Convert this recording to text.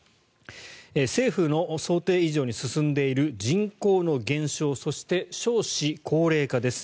政府の想定以上に進んでいる人口の減少そして少子高齢化です。